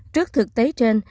trước thực tế trên